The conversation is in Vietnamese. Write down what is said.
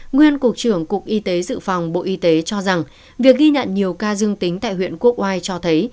nguyên cục trưởng cục y tế dự phòng bộ y tế cho rằng việc ghi nhận nhiều ca dương tính tại huyện quốc oai cho thấy